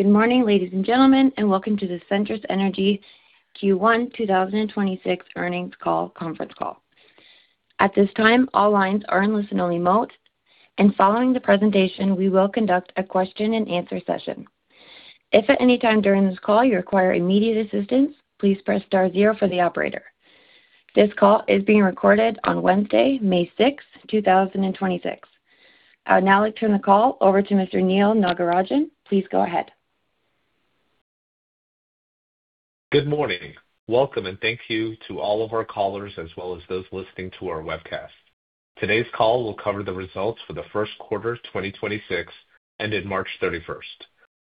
Good morning, ladies and gentlemen, and welcome to the Centrus Energy Q1 2026 earnings call conference call. At this time, all lines are in listen-only mode, and following the presentation, we will conduct a question and answer session. If at any time during this call you require immediate assistance, please press star zero for the operator. This call is being recorded on Wednesday, 6 May 2026. I would now like to turn the call over to Mr. Neal Nagarajan. Please go ahead. Good morning. Welcome and thank you to all of our callers, as well as those listening to our webcast. Today's call will cover the results for the Q1 2026, ended 31 March.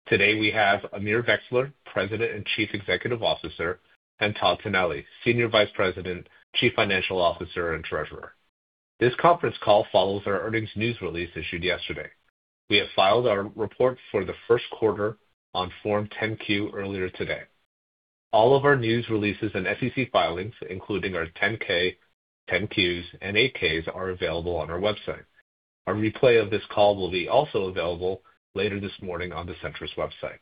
Today, we have Amir Vexler, President and Chief Executive Officer, and Todd Tinelli, Senior Vice President, Chief Financial Officer, and Treasurer. This conference call follows our earnings news release issued yesterday. We have filed our report for the Q1 on Form 10-Q earlier today. All of our news releases and SEC filings, including our 10-K, 10-Qs, and 8-Ks are available on our website. A replay of this call will be also available later this morning on the Centrus Energy website.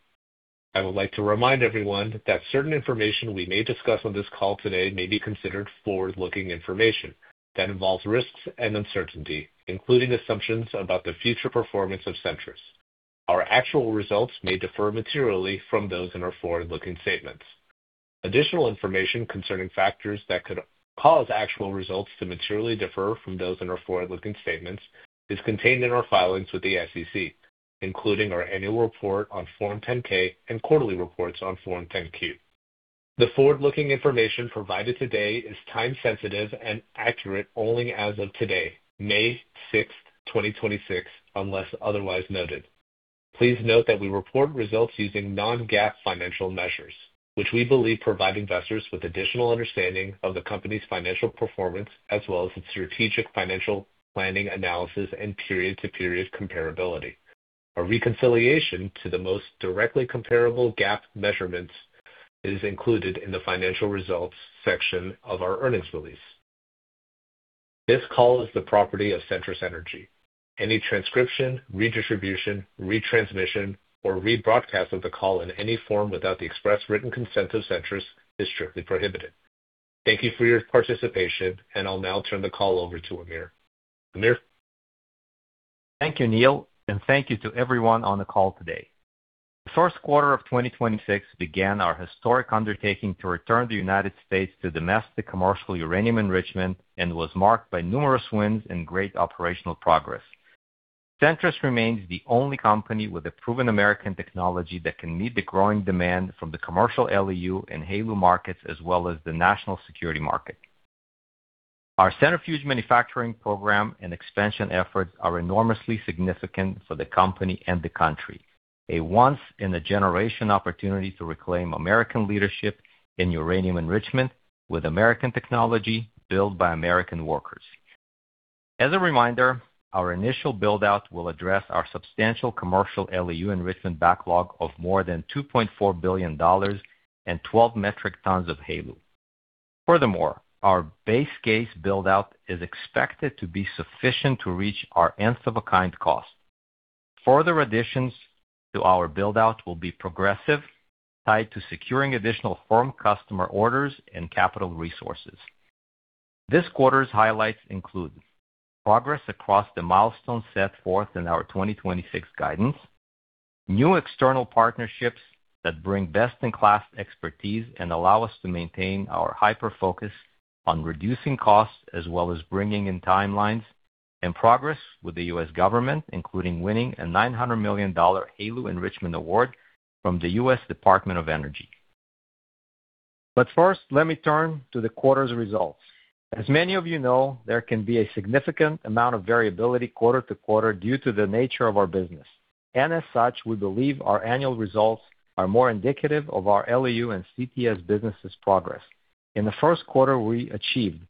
I would like to remind everyone that certain information we may discuss on this call today may be considered forward-looking information that involves risks and uncertainty, including assumptions about the future performance of Centrus Energy. Our actual results may differ materially from those in our forward-looking statements. Additional information concerning factors that could cause actual results to materially differ from those in our forward-looking statements is contained in our filings with the SEC, including our annual report on Form 10-K and quarterly reports on Form 10-Q. The forward-looking information provided today is time sensitive and accurate only as of today, 6 May 2026, unless otherwise noted. Please note that we report results using non-GAAP financial measures, which we believe provide investors with additional understanding of the company's financial performance as well as its strategic financial planning analysis and period-to-period comparability. A reconciliation to the most directly comparable GAAP measurements is included in the financial results section of our earnings release. This call is the property of Centrus Energy. Any transcription, redistribution, retransmission, or rebroadcast of the call in any form without the express written consent of Centrus is strictly prohibited. Thank you for your participation, and I'll now turn the call over to Amir. Amir? Thank you, Neal, and thank you to everyone on the call today. The Q1 of 2026 began our historic undertaking to return the U.S. to domestic commercial uranium enrichment and was marked by numerous wins and great operational progress. Centrus remains the only company with a proven American technology that can meet the growing demand from the commercial LEU and HALEU markets as well as the national security market. Our centrifuge manufacturing program and expansion efforts are enormously significant for the company and the country, a once in a generation opportunity to reclaim American leadership in uranium enrichment with American technology built by American workers. As a reminder, our initial build-out will address our substantial commercial LEU enrichment backlog of more than $2.4 billion and 12 metric tons of HALEU. Furthermore, our base case build-out is expected to be sufficient to reach our Nth-of-a-kind cost. Further additions to our build-out will be progressive, tied to securing additional firm customer orders and capital resources. This quarter's highlights include progress across the milestones set forth in our 2026 guidance, new external partnerships that bring best-in-class expertise and allow us to maintain our hyper-focus on reducing costs as well as bringing in timelines and progress with the U.S. government, including winning a $900 million HALEU enrichment award from the U.S. Department of Energy. First, let me turn to the quarter's results. As many of you know, there can be a significant amount of variability quarter to quarter due to the nature of our business. As such, we believe our annual results are more indicative of our LEU and CTS businesses' progress. In the Q1, we achieved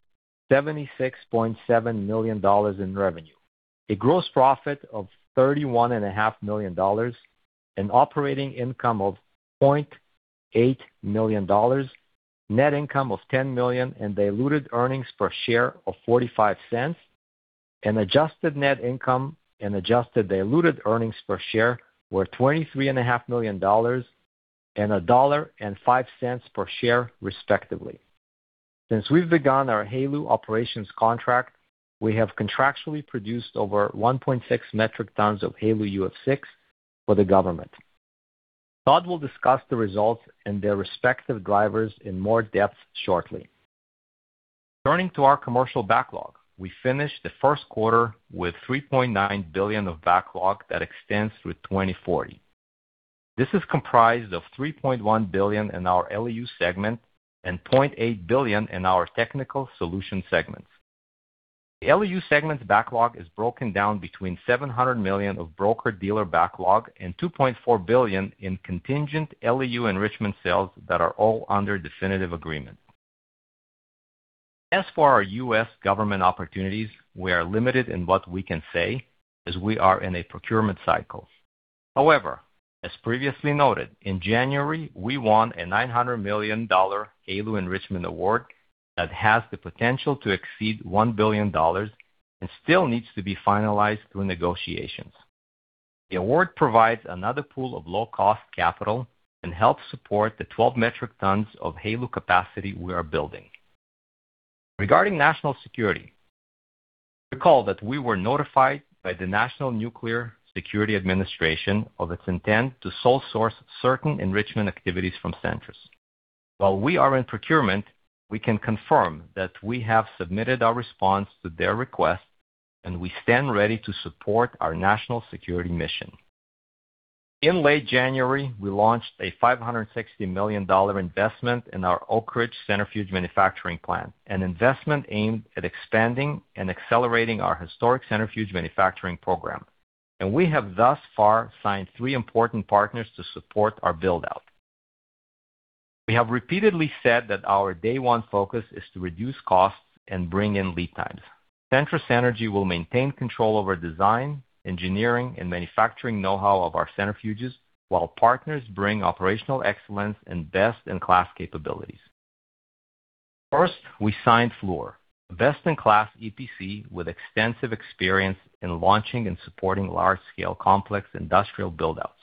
$76.7 million in revenue, a gross profit of $31.5 million, an operating income of $0.8 million, net income of $10 million, and diluted earnings per share of $0.45. Adjusted net income and adjusted diluted earnings per share were $23.5 million and $1.05 per share, respectively. Since we've begun our HALEU operations contract, we have contractually produced over 1.6 metric tons of HALEU UF6 for the government. Todd will discuss the results and their respective drivers in more depth shortly. Turning to our commercial backlog, we finished the Q1 with $3.9 billion of backlog that extends through 2040. This is comprised of $3.1 billion in our LEU segment and $0.8 billion in our technical solutions segment. The LEU segment's backlog is broken down between $700 million of broker-dealer backlog and $2.4 billion in contingent LEU enrichment sales that are all under definitive agreement. As for our U.S. government opportunities, we are limited in what we can say as we are in a procurement cycle. However, as previously noted, in January, we won a $900 million HALEU enrichment award that has the potential to exceed $1 billion. Still needs to be finalized through negotiations. The award provides another pool of low-cost capital and helps support the 12 metric tons of HALEU capacity we are building. Regarding national security, recall that we were notified by the National Nuclear Security Administration of its intent to sole source certain enrichment activities from Centrus. While we are in procurement, we can confirm that we have submitted our response to their request, and we stand ready to support our national security mission. In late January, we launched a $560 million investment in our Oak Ridge centrifuge manufacturing plant, an investment aimed at expanding and accelerating our historic centrifuge manufacturing program, and we have thus far signed three important partners to support our build-out. We have repeatedly said that our day one focus is to reduce costs and bring in lead times. Centrus Energy will maintain control over design, engineering, and manufacturing know-how of our centrifuges, while partners bring operational excellence and best-in-class capabilities. First, we signed Fluor, a best-in-class EPC with extensive experience in launching and supporting large-scale complex industrial build-outs.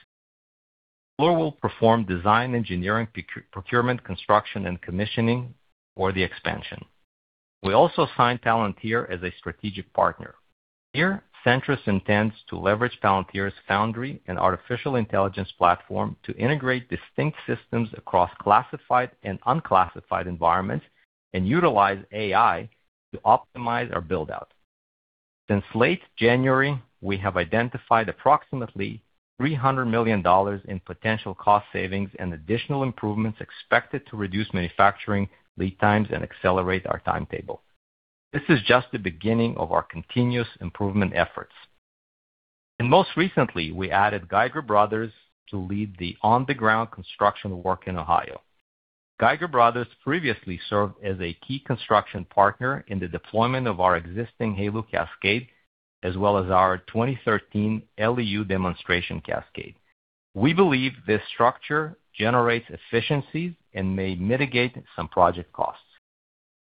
Fluor will perform design engineering, procurement, construction, and commissioning for the expansion. We also signed Palantir as a strategic partner. Here Centrus intends to leverage Palantir's Foundry and artificial intelligence platform to integrate distinct systems across classified and unclassified environments and utilize AI to optimize our build-out. Since late January, we have identified approximately $300 million in potential cost savings and additional improvements expected to reduce manufacturing lead times and accelerate our timetable. This is just the beginning of our continuous improvement efforts. Most recently, we added Geiger Brothers to lead the on-the-ground construction work in Ohio. Geiger Brothers previously served as a key construction partner in the deployment of our existing HALEU cascade, as well as our 2013 LEU demonstration cascade. We believe this structure generates efficiencies and may mitigate some project costs.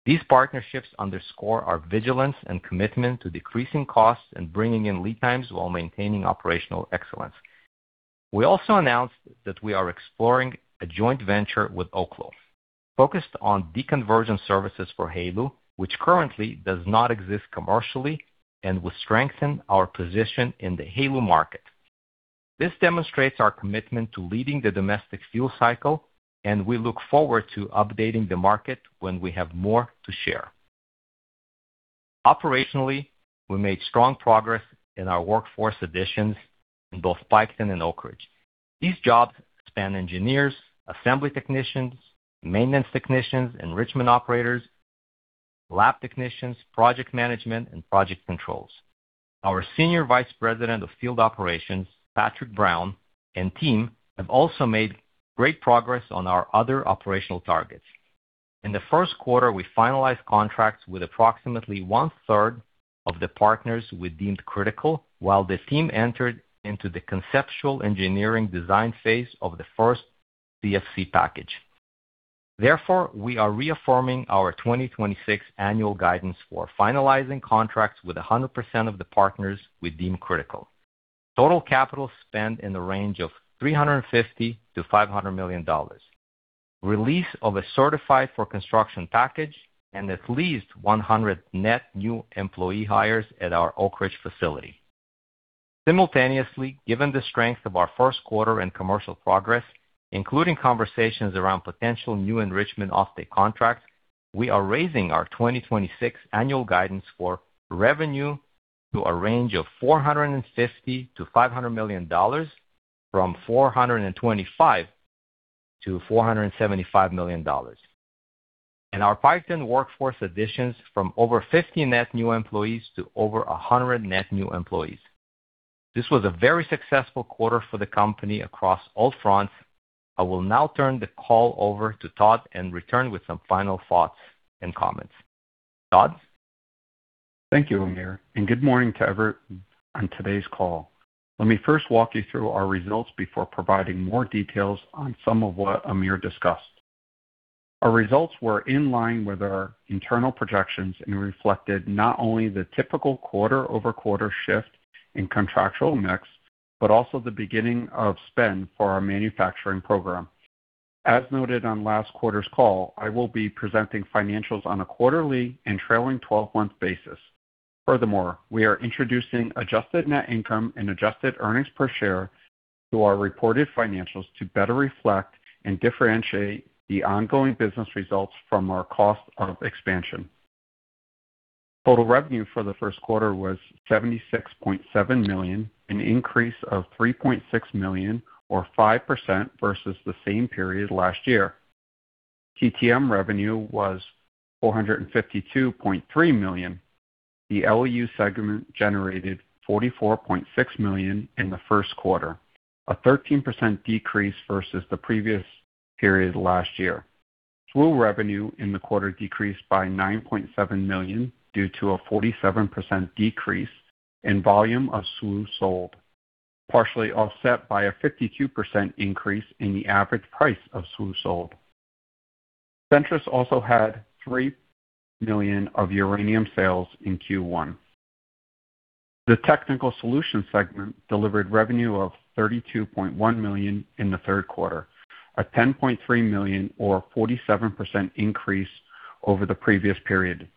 These partnerships underscore our vigilance and commitment to decreasing costs and bringing in lead times while maintaining operational excellence. We also announced that we are exploring a joint venture with Oklo, focused on deconversion services for HALEU, which currently does not exist commercially and will strengthen our position in the HALEU market. This demonstrates our commitment to leading the domestic fuel cycle, and we look forward to updating the market when we have more to share. Operationally, we made strong progress in our workforce additions in both Piketon and Oak Ridge. These jobs span engineers, assembly technicians, maintenance technicians, enrichment operators, lab technicians, project management, and project controls. Our Senior Vice President of Field Operations, Patrick Brown, and team have also made great progress on our other operational targets. In the Q1, we finalized contracts with approximately 1/3 of the partners we deemed critical while the team entered into the conceptual engineering design phase of the first CFC package. Therefore, we are reaffirming our 2026 annual guidance for finalizing contracts with 100% of the partners we deem critical. Total CapEx in the range of $350 million-$500 million. Release of a Certified-for-Construction package and at least 100 net new employee hires at our Oak Ridge facility. Simultaneously, given the strength of our Q1 and commercial progress, including conversations around potential new enrichment offtake contracts, we are raising our 2026 annual guidance for revenue to a range of $450 million-$500 million from $425 million-$475 million. Our Piketon workforce additions from over 50 net new employees to over 100 net new employees. This was a very successful quarter for the company across all fronts. I will now turn the call over to Todd and return with some final thoughts and comments. Todd? Thank you, Amir, and good morning to everyone on today's call. Let me first walk you through our results before providing more details on some of what Amir discussed. Our results were in line with our internal projections and reflected not only the typical quarter-over-quarter shift in contractual mix, but also the beginning of spend for our manufacturing program. As noted on last quarter's call, I will be presenting financials on a quarterly and trailing twelve-month basis. Furthermore, we are introducing adjusted net income and adjusted earnings per share to our reported financials to better reflect and differentiate the ongoing business results from our cost of expansion. Total revenue for the Q1 was $76.7 million, an increase of $3.6 million or 5% versus the same period last year. TTM revenue was $452.3 million. The LEU segment generated $44.6 million in the Q1, a 13% decrease versus the previous period last year. SWU revenue in the quarter decreased by $9.7 million due to a 47% decrease in volume of SWU sold, partially offset by a 52% increase in the average price of SWU sold. Centrus also had $3 million of uranium sales in Q1. The technical solutions segment delivered revenue of $32.1 million in the third quarter, a $10.3 million or 47% increase over the previous period,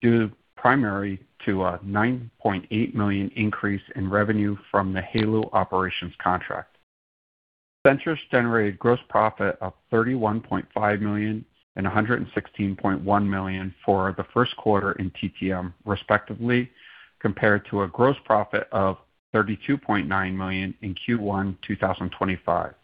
due primarily to a $9.8 million increase in revenue from the HALEU operations contract. Centrus generated gross profit of $31.5 million and $116.1 million for the Q1 in TTM, respectively, compared to a gross profit of $32.9 million in Q1 2025.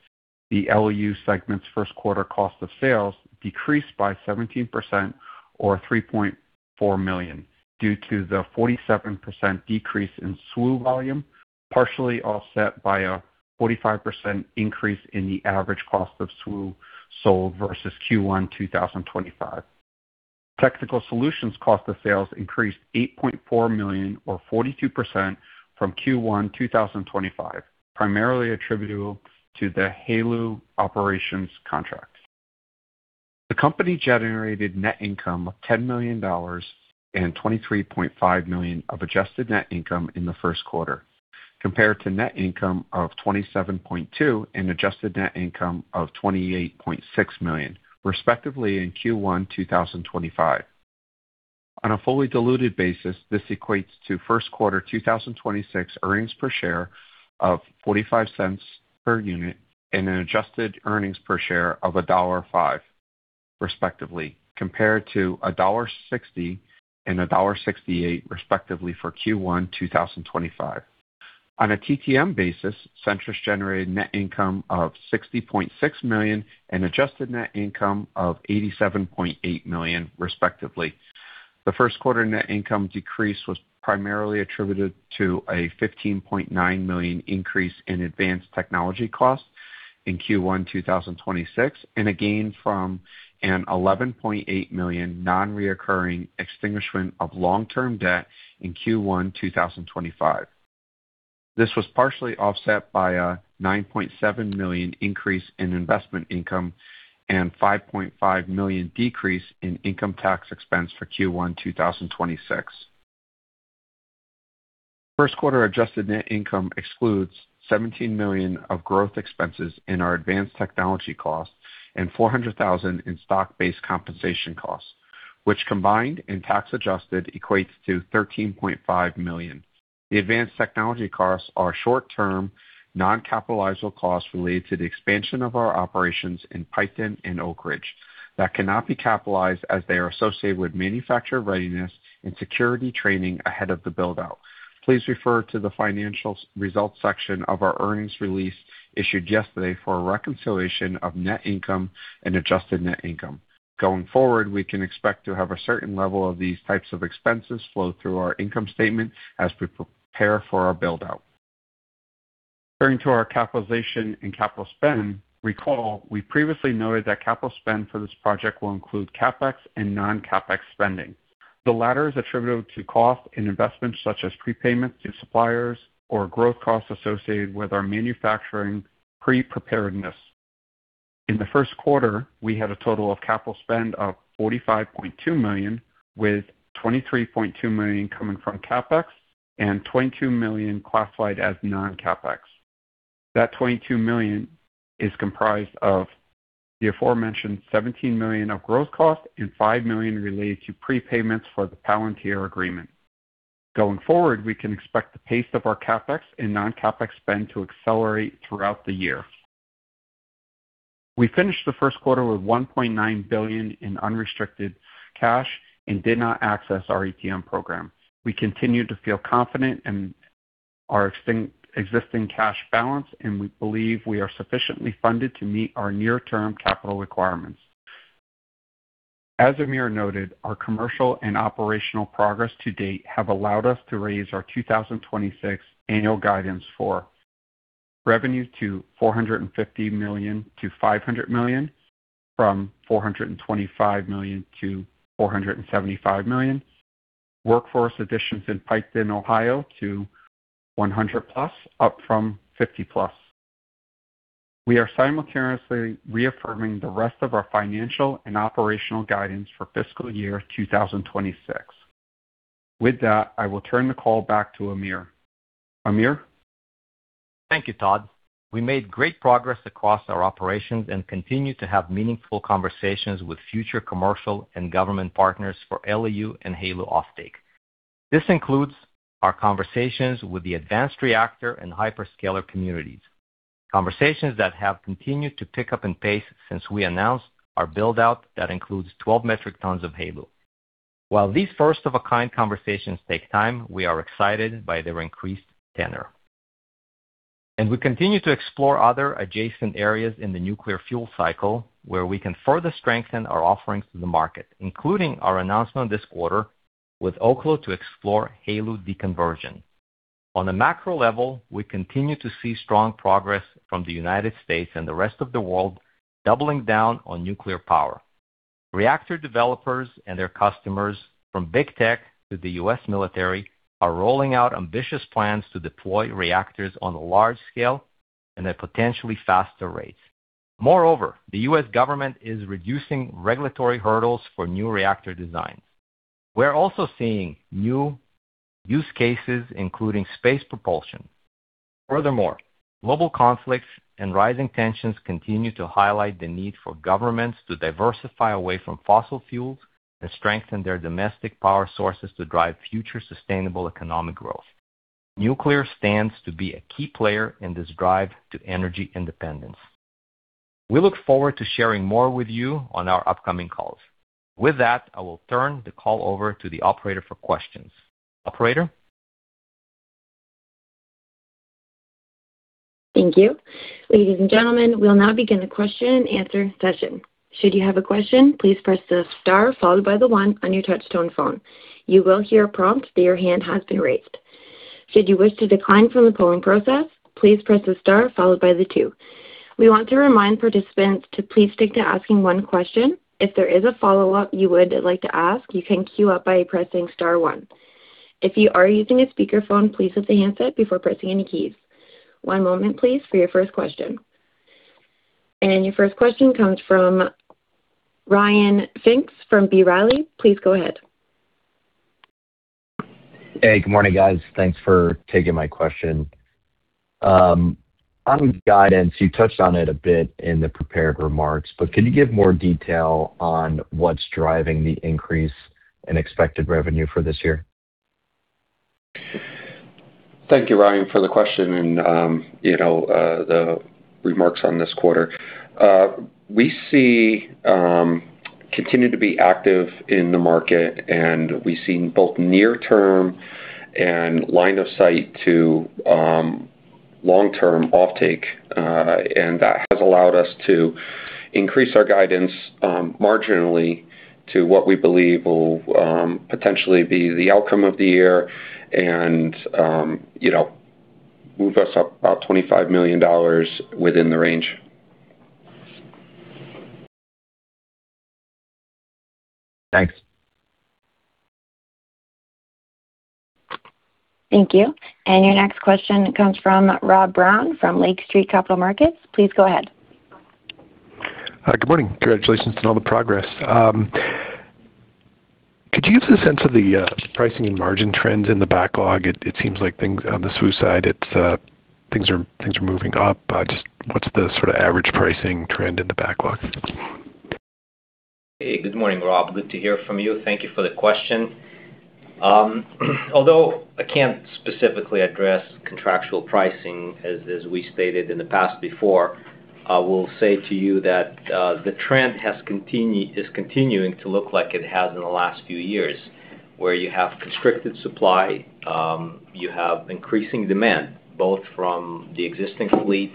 The LEU segment's Q1 cost of sales decreased by 17% or $3.4 million due to the 47% decrease in SWU volume, partially offset by a 45% increase in the average cost of SWU sold versus Q1 2025. Technical solutions cost of sales increased $8.4 million or 42% from Q1 2025, primarily attributable to the HALEU operations contract. The company generated net income of $10 million and $23.5 million of adjusted net income in the Q1, compared to net income of $27.2 million and adjusted net income of $28.6 million, respectively in Q1 2025. On a fully diluted basis, this equates to Q1 2026 earnings per share of $0.45 per unit and an adjusted earnings per share of $1.05, respectively, compared to $1.60 and $1.68, respectively, for Q1 2025. On a TTM basis, Centrus generated net income of $60.6 million and adjusted net income of $87.8 million, respectively. The Q1 net income decrease was primarily attributed to a $15.9 million increase in advanced technology costs in Q1 2026, and a gain from an $11.8 million non-recurring extinguishment of long-term debt in Q1 2025. This was partially offset by a $9.7 million increase in investment income and $5.5 million decrease in income tax expense for Q1 2026. Q1 adjusted net income excludes $17 million of growth expenses in our advanced technology costs and $400,000 in stock-based compensation costs, which combined and tax-adjusted equates to $13.5 million. The advanced technology costs are short-term, non-capitalizable costs related to the expansion of our operations in Piketon and Oak Ridge that cannot be capitalized as they are associated with manufacturer readiness and security training ahead of the build-out. Please refer to the financial results section of our earnings release issued yesterday for a reconciliation of net income and adjusted net income. Going forward, we can expect to have a certain level of these types of expenses flow through our income statement as we prepare for our build-out. Turning to our capitalization and capital spend, recall we previously noted that capital spend for this project will include CapEx and non-CapEx spending. The latter is attributable to cost and investments such as prepayments to suppliers or growth costs associated with our manufacturing pre-preparedness. In the Q1, we had a total of capital spend of $45.2 million, with $23.2 million coming from CapEx and $22 million classified as non-CapEx. That $22 million is comprised of the aforementioned $17 million of growth cost and $5 million related to prepayments for the Palantir agreement. Going forward, we can expect the pace of our CapEx and non-CapEx spend to accelerate throughout the year. We finished the Q1 with $1.9 billion in unrestricted cash and did not access our ATM program. We continue to feel confident in our existing cash balance, and we believe we are sufficiently funded to meet our near-term capital requirements. As Amir noted, our commercial and operational progress to date have allowed us to raise our 2026 annual guidance for revenue to $450 million-$500 million from $425 million-$475 million. Workforce additions in Piketon, Ohio to 100+, up from 50+. We are simultaneously reaffirming the rest of our financial and operational guidance for fiscal year 2026. With that, I will turn the call back to Amir. Amir? Thank you, Todd. We made great progress across our operations and continue to have meaningful conversations with future commercial and government partners for LEU and HALEU off-take. This includes our conversations with the advanced reactor and hyperscaler communities, conversations that have continued to pick up in pace since we announced our build-out that includes 12 metric tons of HALEU. While these first-of-a-kind conversations take time, we are excited by their increased tenor. We continue to explore other adjacent areas in the nuclear fuel cycle where we can further strengthen our offerings to the market, including our announcement this quarter with Oklo to explore HALEU deconversion. On a macro level, we continue to see strong progress from the U.S. and the rest of the world doubling down on nuclear power. Reactor developers and their customers, from big tech to the U.S. military, are rolling out ambitious plans to deploy reactors on a large scale. A potentially faster rate. The U.S. government is reducing regulatory hurdles for new reactor designs. We're also seeing new use cases, including space propulsion. Global conflicts and rising tensions continue to highlight the need for governments to diversify away from fossil fuels and strengthen their domestic power sources to drive future sustainable economic growth. Nuclear stands to be a key player in this drive to energy independence. We look forward to sharing more with you on our upcoming calls. With that, I will turn the call over to the operator for questions. Operator? Thank you. Ladies and gentlemen, we'll now begin the question and answer session. We want to remind participants to please stick to asking one question. Your first question comes from Ryan Pfingst from B. Riley. Please go ahead. Hey, good morning, guys. Thanks for taking my question. On guidance, you touched on it a bit in the prepared remarks, but can you give more detail on what's driving the increase in expected revenue for this year? Thank you, Ryan, for the question and, you know, the remarks on this quarter. We continue to be active in the market, and we've seen both near term and line of sight to long-term offtake. That has allowed us to increase our guidance marginally to what we believe will potentially be the outcome of the year and, you know, move us up about $25 million within the range. Thanks. Thank you. Your next question comes from Rob Brown from Lake Street Capital Markets. Please go ahead. Good morning. Congratulations on all the progress. Could you give us a sense of the pricing and margin trends in the backlog? It seems like things on the SWU side, things are moving up. Just what's the sort of average pricing trend in the backlog? Good morning, Rob. Good to hear from you. Thank you for the question. Although I can't specifically address contractual pricing as we stated in the past before, I will say to you that the trend is continuing to look like it has in the last few years, where you have constricted supply, you have increasing demand, both from the existing fleet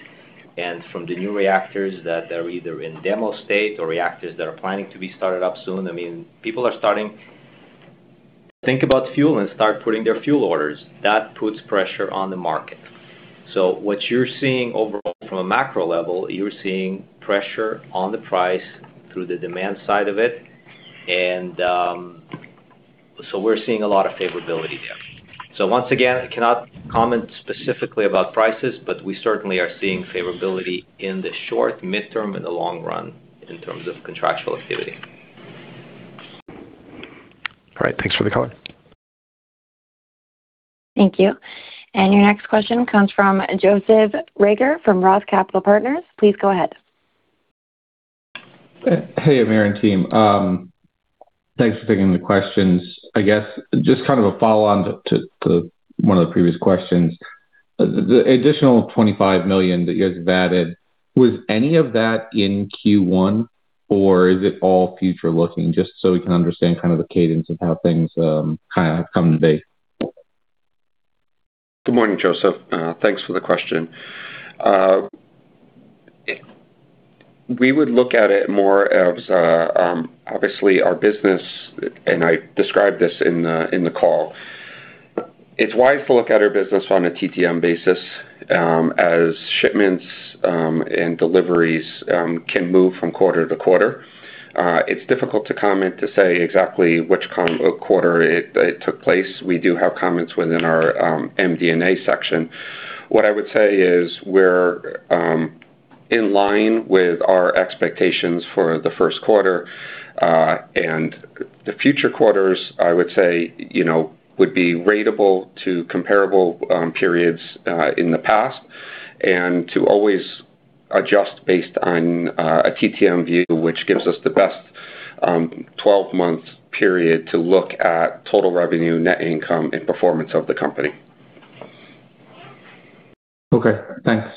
and from the new reactors that are either in demo state or reactors that are planning to be started up soon. I mean, people are starting to think about fuel and start putting their fuel orders. That puts pressure on the market. What you're seeing overall from a macro level, you're seeing pressure on the price through the demand side of it. We're seeing a lot of favorability there. Once again, I cannot comment specifically about prices, but we certainly are seeing favorability in the short, midterm, and the long run in terms of contractual activity. All right. Thanks for the color. Thank you. Your next question comes from Joseph Reagor from Roth Capital Partners. Please go ahead. Hey, Amir and team. Thanks for taking the questions. I guess just kind of a follow-on to one of the previous questions. The additional $25 million that you guys have added, was any of that in Q1, or is it all future-looking? Just so we can understand kind of the cadence of how things kind of come to be. Good morning, Joseph. Thanks for the question. We would look at it more as, obviously our business, and I described this in the call. It's wise to look at our business on a TTM basis, as shipments and deliveries can move from quarter to quarter. It's difficult to comment to say exactly which quarter it took place. We do have comments within our MD&A section. What I would say is we're in line with our expectations for the Q1, and the future quarters, I would say, you know, would be ratable to comparable periods in the past and to always adjust based on a TTM view which gives us the best 12-month period to look at total revenue, net income and performance of the company. Okay, thanks.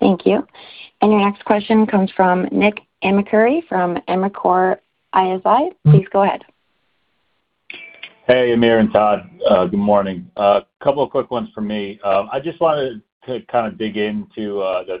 Thank you. Your next question comes from Nick Amicucci from Evercore ISI. Please go ahead. Hey, Amir and Todd. Good morning. A couple of quick ones from me. I just wanted to kind of dig into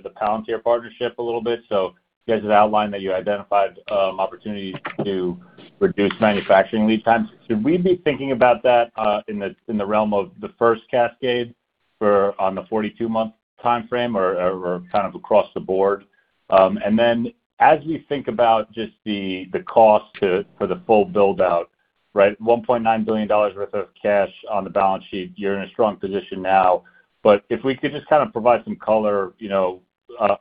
the Palantir partnership a little bit. You guys have outlined that you identified opportunities to reduce manufacturing lead times. Should we be thinking about that in the realm of the first cascade for on the 42-month timeframe or kind of across the board? As we think about just the cost for the full build-out. Right. $1.9 billion worth of cash on the balance sheet. You're in a strong position now. If we could just kind of provide some color, you know,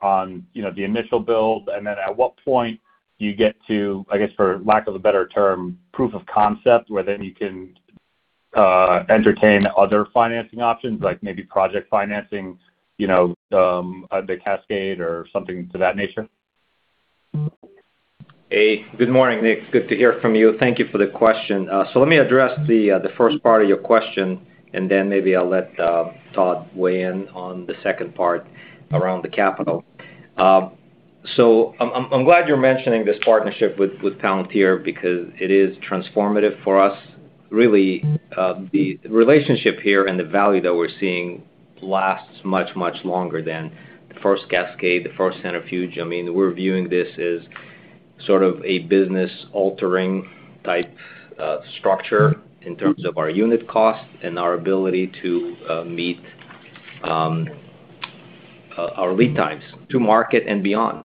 on, you know, the initial build, and then at what point do you get to, I guess, for lack of a better term, proof of concept, where then you can entertain other financing options, like maybe project financing, you know, the Cascade or something to that nature? Hey, good morning, Nick. Good to hear from you. Thank you for the question. Let me address the first part of your question, and then maybe I'll let Todd weigh in on the second part around the capital. I'm glad you're mentioning this partnership with Palantir because it is transformative for us. Really, the relationship here and the value that we're seeing lasts much, much longer than the first Cascade, the first centrifuge. I mean, we're viewing this as sort of a business-altering type structure in terms of our unit cost and our ability to meet our lead times to market and beyond.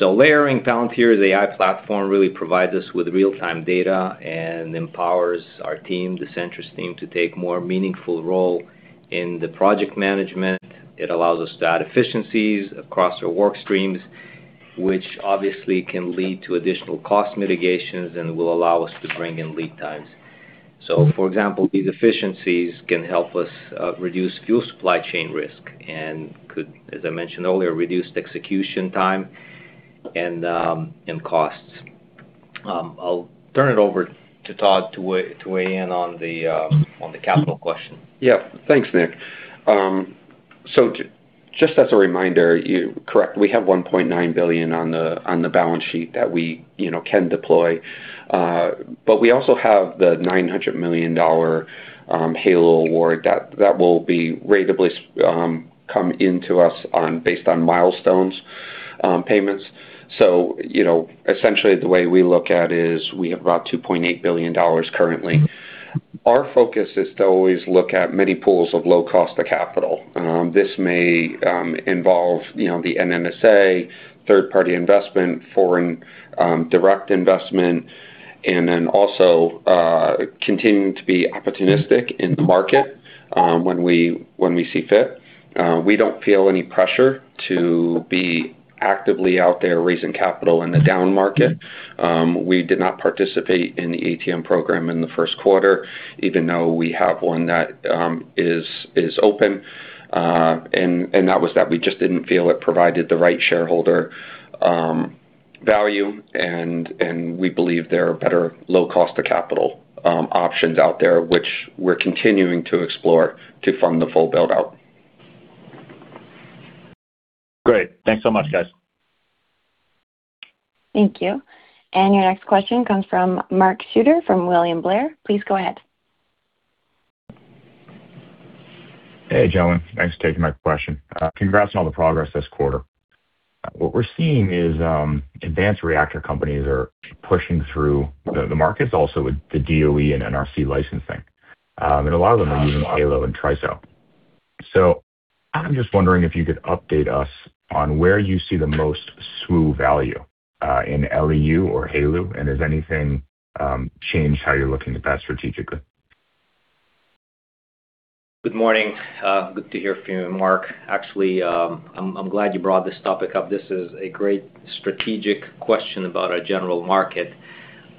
Layering Palantir's AI platform really provides us with real-time data and empowers our team, the Centrus team, to take more meaningful role in the project management. It allows us to add efficiencies across our work streams, which obviously can lead to additional cost mitigations and will allow us to bring in lead times. For example, these efficiencies can help us reduce fuel supply chain risk and could, as I mentioned earlier, reduce execution time and costs. I'll turn it over to Todd to weigh in on the capital question. Thanks, Nick. Just as a reminder, correct, we have $1.9 billion on the balance sheet that we, you know, can deploy. We also have the $900 million HALEU award that will be ratably come into us based on milestones payments. You know, essentially, the way we look at it is we have about $2.8 billion currently. Our focus is to always look at many pools of low cost of capital. This may involve, you know, the NNSA, third-party investment, foreign direct investment, continuing to be opportunistic in the market when we see fit. We don't feel any pressure to be actively out there raising capital in the down market. We did not participate in the ATM program in the Q1, even though we have one that is open. That was that we just didn't feel it provided the right shareholder value, and we believe there are better low cost of capital options out there, which we're continuing to explore to fund the full build-out. Great. Thanks so much, guys. Thank you. Your next question comes from Mark Shooter from William Blair. Please go ahead. Hey, gentlemen. Thanks for taking my question. Congrats on all the progress this quarter. What we're seeing is advanced reactor companies are pushing through the markets also with the DOE and NRC licensing. A lot of them are using HALEU and TRISO. I'm just wondering if you could update us on where you see the most SWU value in LEU or HALEU, and has anything changed how you're looking at that strategically? Good morning. Good to hear from you, Mark. Actually, I'm glad you brought this topic up. This is a great strategic question about our general market,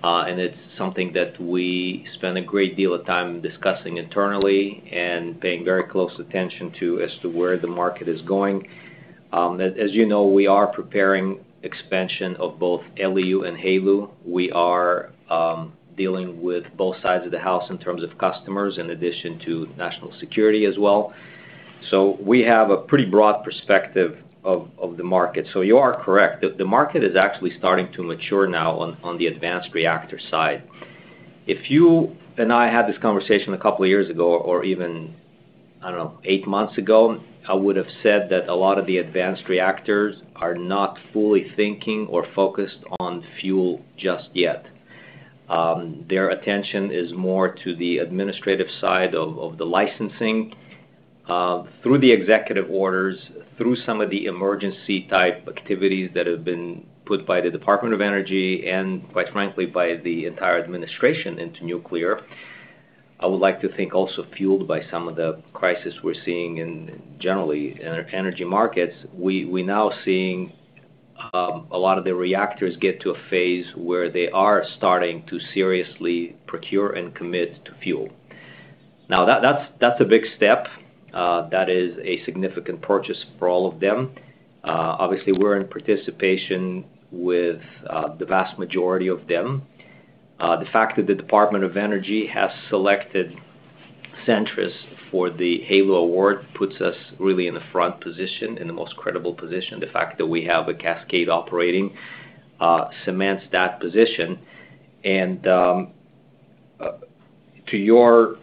and it's something that we spend a great deal of time discussing internally and paying very close attention to as to where the market is going. As you know, we are preparing expansion of both LEU and HALEU. We are dealing with both sides of the house in terms of customers in addition to national security as well. We have a pretty broad perspective of the market. You are correct. The market is actually starting to mature now on the advanced reactor side. If you and I had this conversation a couple of years ago or even, I don't know, eight months ago, I would have said that a lot of the advanced reactors are not fully thinking or focused on fuel just yet. Their attention is more to the administrative side of the licensing, through the executive orders, through some of the emergency-type activities that have been put by the U.S. Department of Energy and, quite frankly, by the entire administration into nuclear. I would like to think also fueled by some of the crisis we're seeing in, generally, energy markets. We're now seeing a lot of the reactors get to a phase where they are starting to seriously procure and commit to fuel. Now, that's a big step. That is a significant purchase for all of them. Obviously, we're in participation with the vast majority of them. The fact that the Department of Energy has selected Centrus for the HALEU award puts us really in the front position, in the most credible position. The fact that we have a Cascade operating cements that position. To your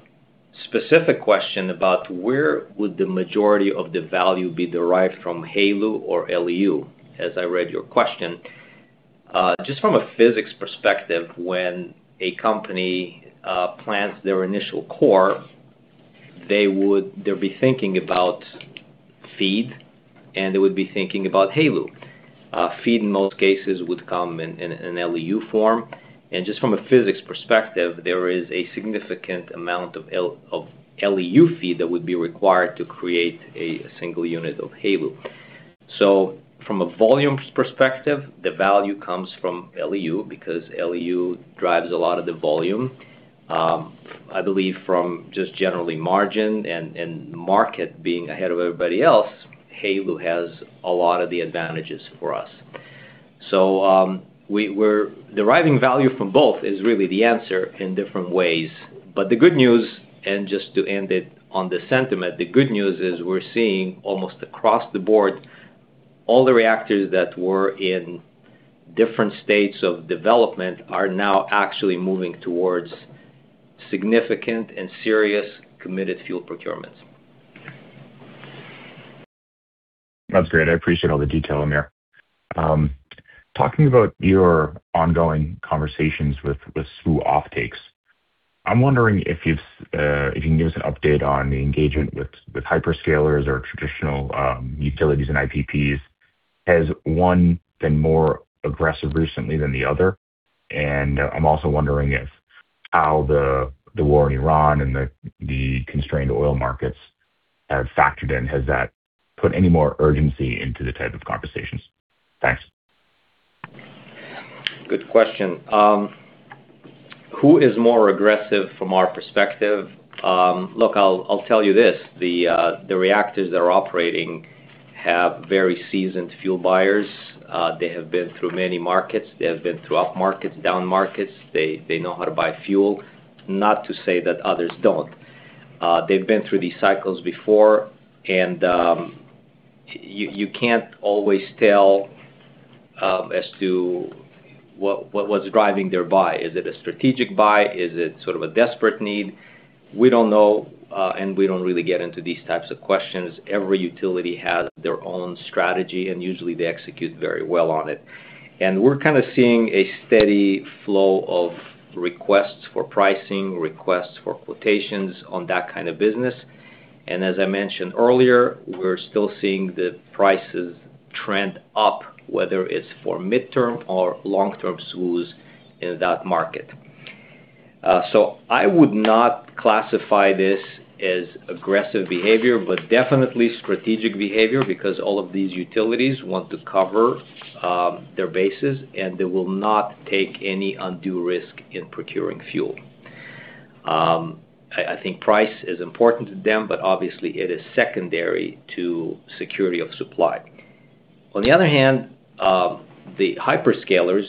specific question about where would the majority of the value be derived from HALEU or LEU, as I read your question, just from a physics perspective, when a company plants their initial core they'll be thinking about feed, and they would be thinking about HALEU. Feed in most cases would come in LEU form. Just from a physics perspective, there is a significant amount of LEU feed that would be required to create a single unit of HALEU. From a volume perspective, the value comes from LEU because LEU drives a lot of the volume. I believe from just generally margin and market being ahead of everybody else, HALEU has a lot of the advantages for us. We're deriving value from both is really the answer in different ways. The good news, and just to end it on the sentiment, the good news is we're seeing almost across the board, all the reactors that were in different states of development are now actually moving towards significant and serious committed fuel procurements. That's great. I appreciate all the detail, Amir. Talking about your ongoing conversations with SWU offtakes, I'm wondering if you can give us an update on the engagement with hyperscalers or traditional utilities and IPPs. Has one been more aggressive recently than the other? I'm also wondering if how the war in Iran and the constrained oil markets have factored in. Has that put any more urgency into the type of conversations? Thanks. Good question. Who is more aggressive from our perspective? Look, I'll tell you this. The reactors that are operating have very seasoned fuel buyers. They have been through many markets. They have been through up markets, down markets. They know how to buy fuel. Not to say that others don't. They've been through these cycles before, and you can't always tell as to what's driving their buy. Is it a strategic buy? Is it sort of a desperate need? We don't know. We don't really get into these types of questions. Every utility has their own strategy. Usually they execute very well on it. We're kind of seeing a steady flow of requests for pricing, requests for quotations on that kind of business. As I mentioned earlier, we're still seeing the prices trend up, whether it's for midterm or long-term SWUs in that market. I would not classify this as aggressive behavior, but definitely strategic behavior because all of these utilities want to cover their bases, and they will not take any undue risk in procuring fuel. I think price is important to them, but obviously it is secondary to security of supply. On the other hand, the hyperscalers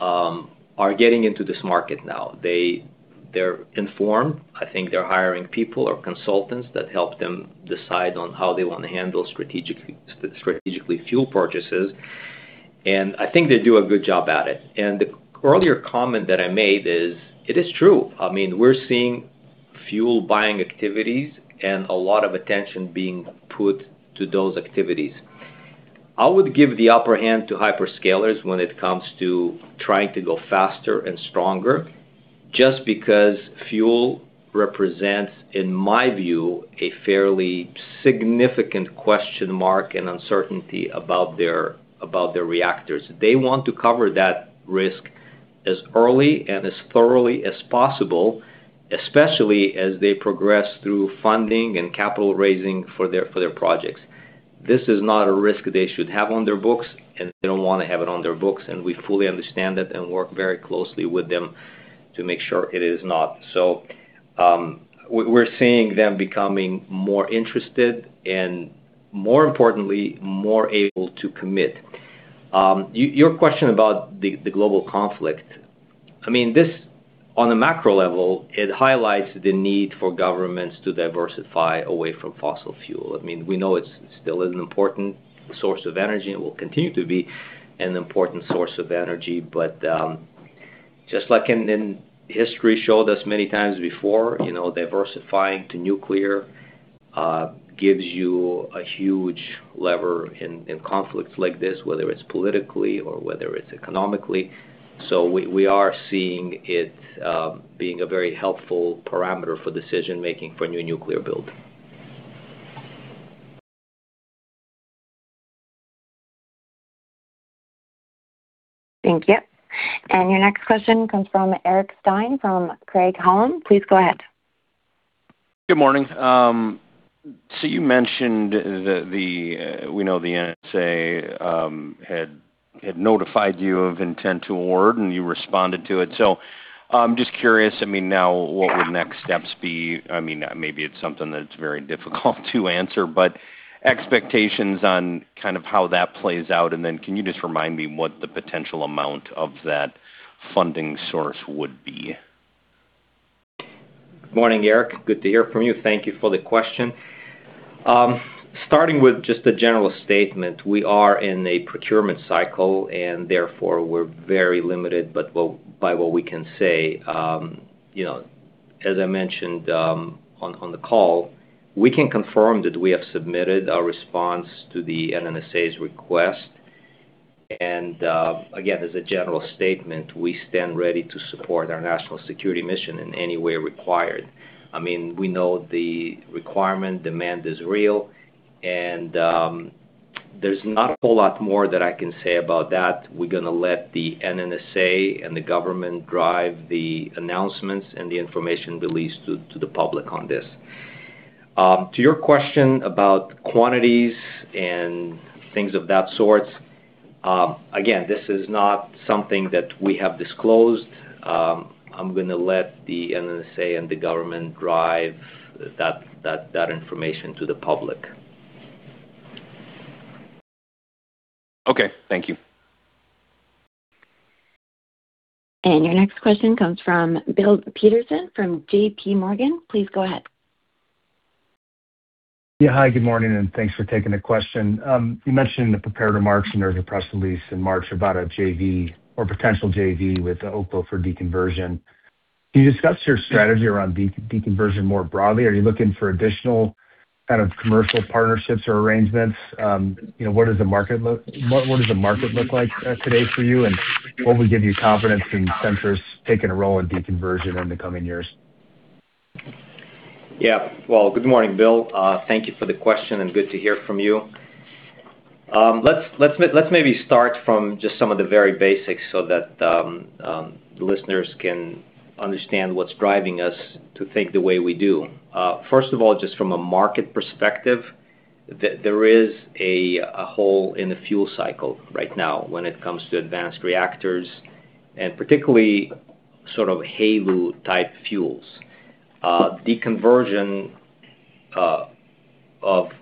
are getting into this market now. They're informed. I think they're hiring people or consultants that help them decide on how they want to handle strategically fuel purchases, and I think they do a good job at it. The earlier comment that I made is, it is true. I mean, we're seeing fuel buying activities and a lot of attention being put to those activities. I would give the upper hand to hyperscalers when it comes to trying to go faster and stronger, just because fuel represents, in my view, a fairly significant question mark and uncertainty about their reactors. They want to cover that risk as early and as thoroughly as possible, especially as they progress through funding and capital raising for their projects. This is not a risk they should have on their books. They don't want to have it on their books, and we fully understand it and work very closely with them to make sure it is not. We're seeing them becoming more interested and, more importantly, more able to commit. Your question about the global conflict. I mean, this, on a macro level, it highlights the need for governments to diversify away from fossil fuel. I mean, we know it's still an important source of energy and will continue to be an important source of energy. Just like in history showed us many times before, you know, diversifying to nuclear, gives you a huge lever in conflicts like this, whether it's politically or whether it's economically. We, we are seeing it, being a very helpful parameter for decision-making for new nuclear build. Thank you. Your next question comes from Eric Stine from Craig-Hallum. Please go ahead. Good morning. You mentioned the NNSA had notified you of intent to award, and you responded to it. I'm just curious, I mean, now what would next steps be? I mean, maybe it's something that's very difficult to answer, but expectations on kind of how that plays out. Can you just remind me what the potential amount of that funding source would be? Morning, Eric. Good to hear from you. Thank you for the question. Starting with just a general statement, we are in a procurement cycle, and therefore we're very limited by what we can say. You know, as I mentioned, on the call, we can confirm that we have submitted our response to the NNSA's request. Again, as a general statement, we stand ready to support our national security mission in any way required. I mean, we know the requirement, demand is real, and there's not a whole lot more that I can say about that. We're gonna let the NNSA and the government drive the announcements and the information released to the public on this. To your question about quantities and things of that sort, again, this is not something that we have disclosed. I'm gonna let the NNSA and the government drive that information to the public. Okay. Thank you. Your next question comes from Bill Peterson from JPMorgan. Please go ahead. Yeah, hi, good morning. Thanks for taking the question. You mentioned in the prepared remarks and there's a press release in March about a JV or potential JV with Oklo for deconversion. Can you discuss your strategy around de-deconversion more broadly? Are you looking for additional kind of commercial partnerships or arrangements? You know, what does the market look like today for you? What would give you confidence in Centrus taking a role in deconversion in the coming years? Well, good morning, Bill. Thank you for the question and good to hear from you. Let's maybe start from just some of the very basics so that the listeners can understand what's driving us to think the way we do. First of all, just from a market perspective, there is a hole in the fuel cycle right now when it comes to advanced reactors, and particularly sort of HALEU-type fuels. Deconversion of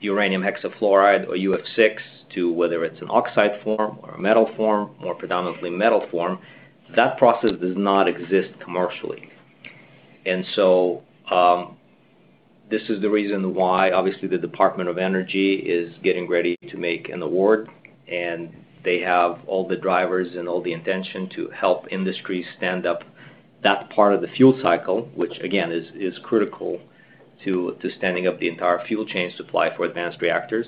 uranium hexafluoride or UF6 to whether it is an oxide form or a metal form, more predominantly metal form, that process does not exist commercially. This is the reason why obviously the Department of Energy is getting ready to make an award, and they have all the drivers and all the intention to help industry stand up that part of the fuel cycle, which again, is critical to standing up the entire fuel chain supply for advanced reactors.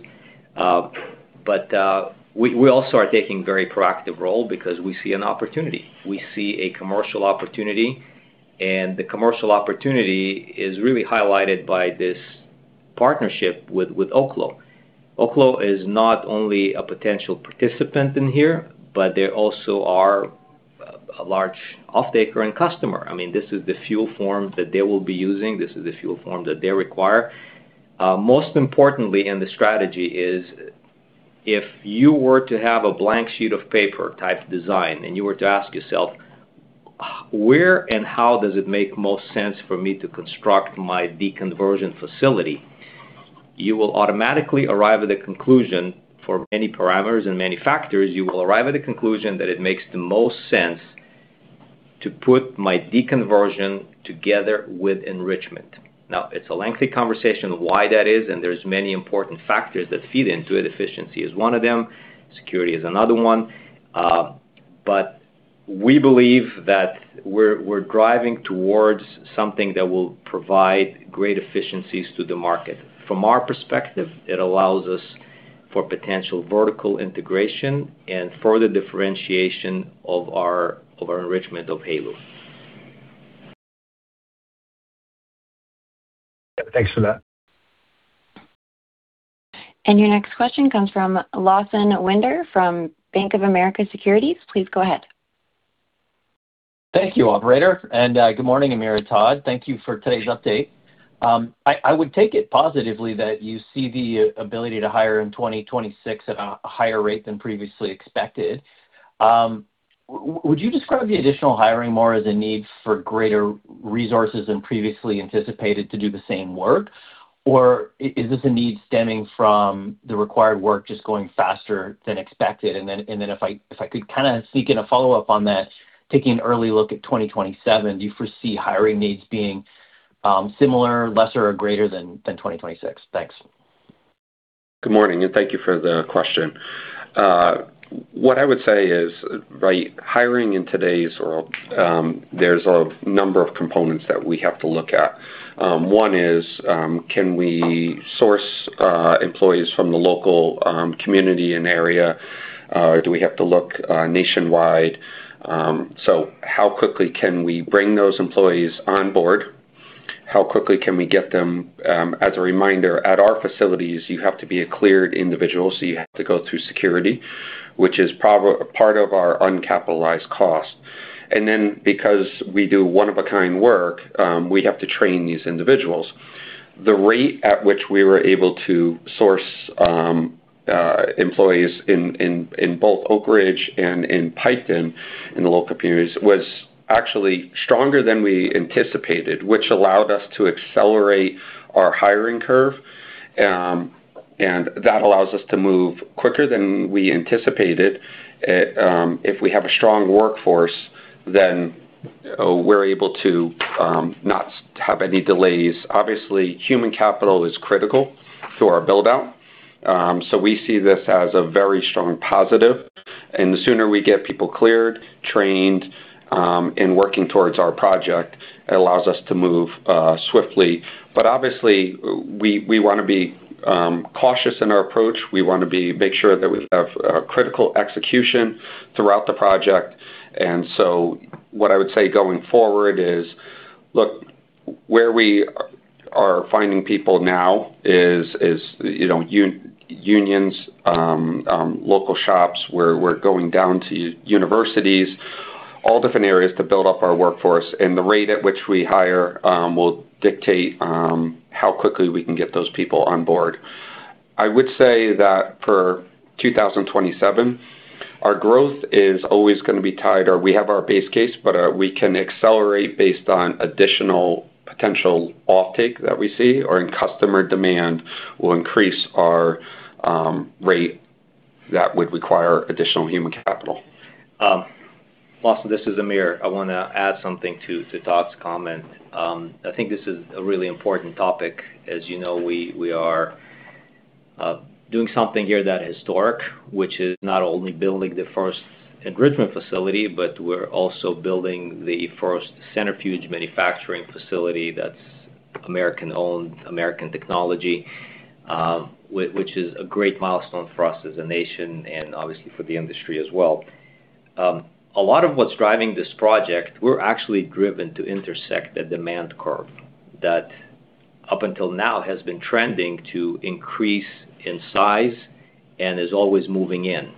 We also are taking very proactive role because we see an opportunity. We see a commercial opportunity, the commercial opportunity is really highlighted by this partnership with Oklo. Oklo is not only a potential participant in here, they also are a large off-taker and customer. I mean, this is the fuel form that they will be using. This is the fuel form that they require. Most importantly in the strategy is if you were to have a blank sheet of paper type design, and you were to ask yourself where and how does it make most sense for me to construct my deconversion facility, you will automatically arrive at a conclusion for many parameters and many factors. You will arrive at a conclusion that it makes the most sense to put my deconversion together with enrichment. Now, it's a lengthy conversation why that is, and there's many important factors that feed into it. Efficiency is one of them, security is another one. We believe that we're driving towards something that will provide great efficiencies to the market. From our perspective, it allows us for potential vertical integration and further differentiation of our enrichment of HALEU. Yeah. Thanks for that. Your next question comes from Lawson Winder from Bank of America Securities. Please go ahead. Thank you, operator. Good morning, Amir and Todd. Thank you for today's update. I would take it positively that you see the ability to hire in 2026 at a higher rate than previously expected. Would you describe the additional hiring more as a need for greater resources than previously anticipated to do the same work, or is this a need stemming from the required work just going faster than expected? If I could kinda sneak in a follow-up on that, taking an early look at 2027, do you foresee hiring needs being similar, lesser, or greater than 2026? Thanks. Good morning, thank you for the question. What I would say is by hiring in today's world, there's a number of components that we have to look at. One is, can we source employees from the local community and area? Do we have to look nationwide? How quickly can we bring those employees on board? How quickly can we get them, as a reminder, at our facilities, you have to be a cleared individual, so you have to go through security, which is part of our uncapitalized cost. Then because we do one-of-a-kind work, we have to train these individuals. The rate at which we were able to source employees in both Oak Ridge and in Piketon, in the local communities, was actually stronger than we anticipated, which allowed us to accelerate our hiring curve. That allows us to move quicker than we anticipated. If we have a strong workforce, we're able to not have any delays. Obviously, human capital is critical to our build-out. We see this as a very strong positive. The sooner we get people cleared, trained, and working towards our project, it allows us to move swiftly. Obviously, we wanna be cautious in our approach. We make sure that we have critical execution throughout the project. What I would say going forward is, look, where we are finding people now is, you know, unions, local shops, where we're going down to universities, all different areas to build up our workforce. The rate at which we hire will dictate how quickly we can get those people on board. I would say that for 2027, our growth is always going to be tied, or we have our base case, but we can accelerate based on additional potential offtake that we see or in customer demand will increase our rate that would require additional human capital. This is Amir. I want to add something to Todd's comment. I think this is a really important topic. As you know, we are doing something here that's historic, which is not only building the first enrichment facility, but we're also building the first centrifuge manufacturing facility that's American-owned, American technology, which is a great milestone for us as a nation and obviously for the industry as well. A lot of what's driving this project, we're actually driven to intersect the demand curve that up until now has been trending to increase in size and is always moving in.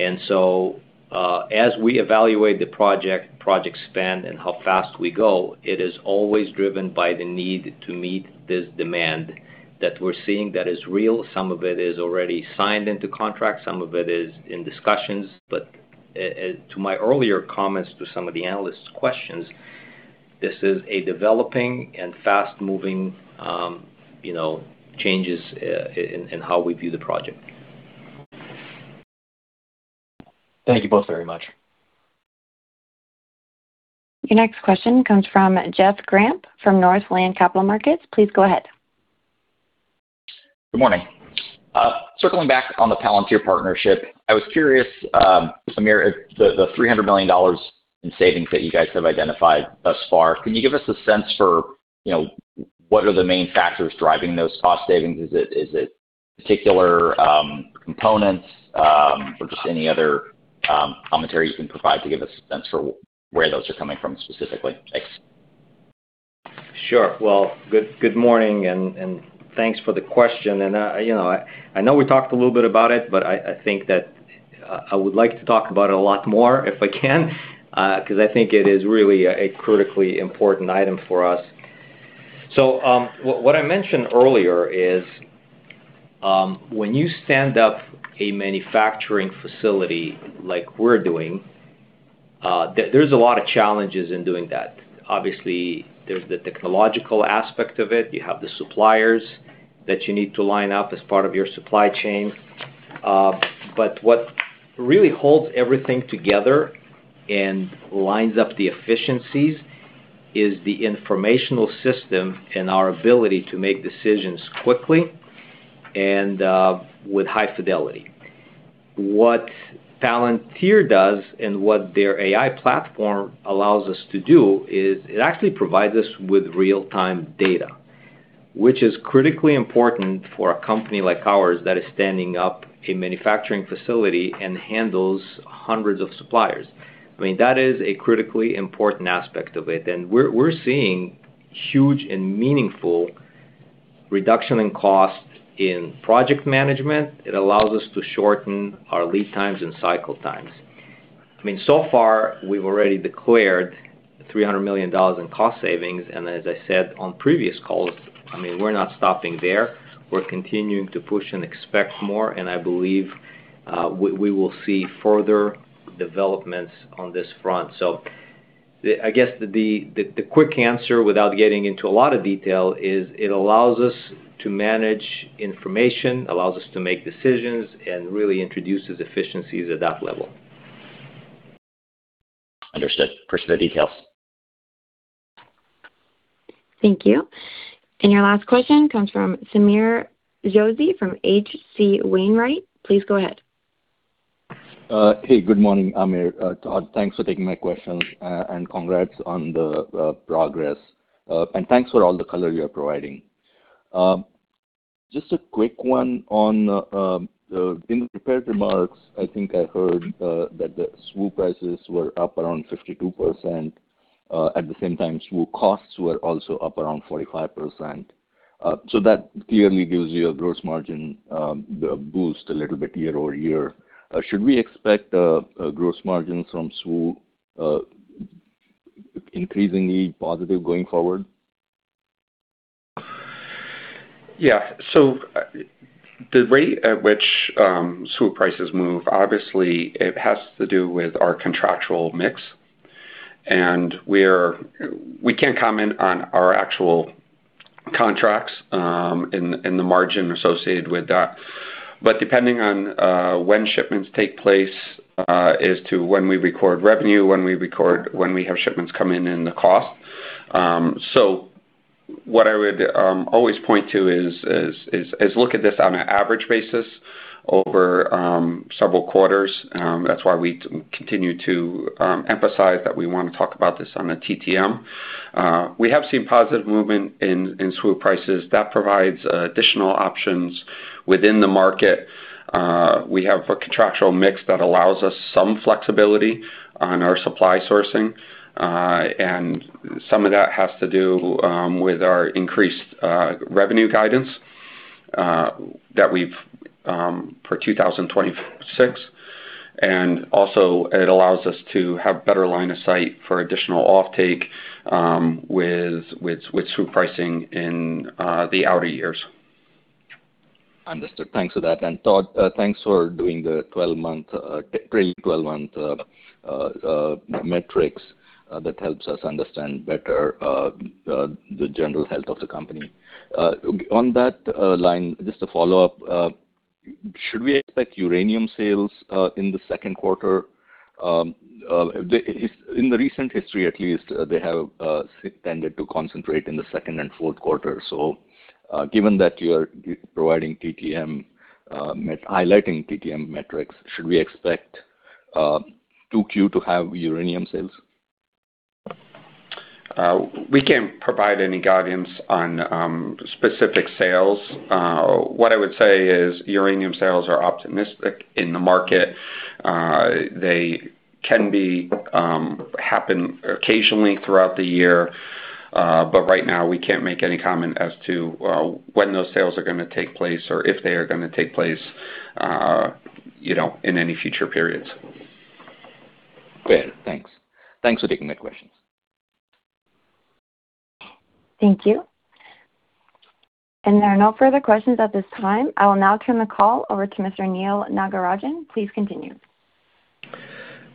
As we evaluate the project spend and how fast we go, it is always driven by the need to meet this demand that we're seeing that is real. Some of it is already signed into contract, some of it is in discussions. To my earlier comments to some of the analysts' questions, this is a developing and fast-moving, you know, changes in how we view the project. Thank you both very much. Your next question comes from Jeff Grampp from Northland Capital Markets. Please go ahead. Good morning. circling back on the Palantir partnership, I was curious, Amir, the $300 million in savings that you guys have identified thus far, can you give us a sense for, you know, what are the main factors driving those cost savings? Is it particular components, or just any other commentary you can provide to give us a sense for where those are coming from specifically? Thanks. Sure. Well, good morning, and thanks for the question. You know, I know we talked a little bit about it, but I think that I would like to talk about it a lot more if I can, 'cause I think it is really a critically important item for us. What I mentioned earlier is, when you stand up a manufacturing facility like we're doing, there's a lot of challenges in doing that. Obviously, there's the technological aspect of it. You have the suppliers that you need to line up as part of your supply chain. What really holds everything together and lines up the efficiencies is the informational system and our ability to make decisions quickly and with high fidelity. What Palantir does and what their AI platform allows us to do is it actually provides us with real-time data, which is critically important for a company like ours that is standing up a manufacturing facility and handles hundreds of suppliers. I mean, that is a critically important aspect of it. We're seeing huge and meaningful reduction in cost in project management. It allows us to shorten our lead times and cycle times. I mean, so far, we've already declared $300 million in cost savings. As I said on previous calls, I mean, we're not stopping there. We're continuing to push and expect more, and I believe, we will see further developments on this front. I guess the quick answer, without getting into a lot of detail is it allows us to manage information, allows us to make decisions, and really introduces efficiencies at that level. Understood. Appreciate the details. Thank you. Your last question comes from Sameer Joshi from H.C. Wainwright. Please go ahead. Hey, good morning, Amir. Todd, thanks for taking my question, and congrats on the progress. Thanks for all the color you're providing. Just a quick one on in the prepared remarks, I think I heard that the SWU prices were up around 52%. At the same time, SWU costs were also up around 45%. That clearly gives you a gross margin boost a little bit year-over-year. Should we expect a gross margin from SWU increasingly positive going forward? The rate at which SWU prices move, obviously it has to do with our contractual mix, and we can't comment on our actual contracts, and the margin associated with that. Depending on when shipments take place, as to when we record revenue, when we have shipments come in and the cost, what I would always point to is look at this on an average basis over several quarters. That's why we continue to emphasize that we want to talk about this on a TTM. We have seen positive movement in SWU prices that provides additional options within the market. We have a contractual mix that allows us some flexibility on our supply sourcing, and some of that has to do with our increased revenue guidance that we've for 2026. Also it allows us to have better line of sight for additional offtake with SWU pricing in the outer years. Understood. Thanks for that. Todd, thanks for doing the 12-month, really 12-month metrics that helps us understand better the general health of the company. On that line, just a follow-up, should we expect uranium sales in the Q2? In the recent history at least, they have tended to concentrate in the Q2 and Q4. Given that you are providing TTM, highlighting TTM metrics, should we expect Q2 to have uranium sales? We can't provide any guidance on specific sales. What I would say is uranium sales are optimistic in the market. They can be happen occasionally throughout the year. Right now we can't make any comment as to when those sales are gonna take place or if they are gonna take place, you know, in any future periods. Great. Thanks. Thanks for taking my questions. Thank you. There are no further questions at this time. I will now turn the call over to Mr. Neal Nagarajan. Please continue.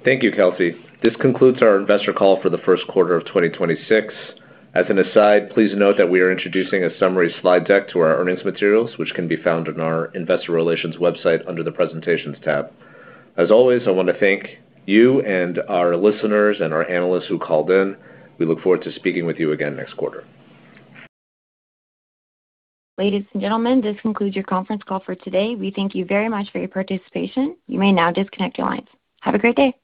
Thank you, Kelsey. This concludes our investor call for the Q1 of 2026. As an aside, please note that we are introducing a summary slide deck to our earnings materials, which can be found on our investor relations website under the Presentations tab. As always, I want to thank you and our listeners and our analysts who called in. We look forward to speaking with you again next quarter. Ladies and gentlemen, this concludes your conference call for today. We thank you very much for your participation. You may now disconnect your lines. Have a great day.